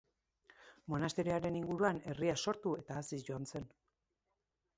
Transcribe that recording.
Monasterioaren inguruan herria sortu eta haziz joan zen.